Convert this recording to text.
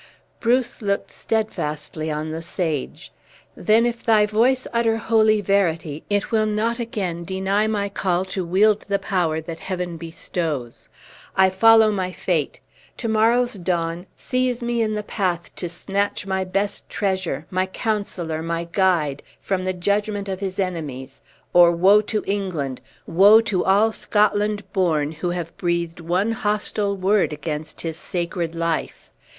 Bruce looked steadfastly on the sage: "Then if thy voice utter holy verity, it will not again deny my call to wield the power that Heaven bestows! I follow my fate! To morrow's dawn sees me in the path to snatch my best treasure, my counselor, my guide, from the judgment of his enemies or woe to England, woe to all Scotland born who have breathed one hostile word against his sacred life!